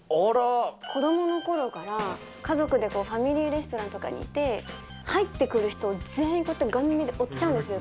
子どものころから、家族でファミリーレストランとかに行って、入ってくる人を全員、こうやってガン見で追っちゃうんです。